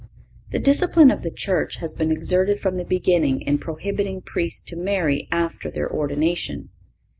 The discipline of the Church has been exerted from the beginning in prohibiting Priests to marry after their ordination.